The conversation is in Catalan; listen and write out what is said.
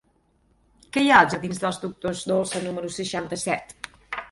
Què hi ha als jardins dels Doctors Dolsa número seixanta-set?